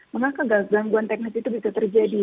mengapa gangguan teknis itu bisa terjadi